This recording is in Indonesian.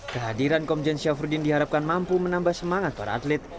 kehadiran komjen syafruddin diharapkan mampu menambah semangat para atlet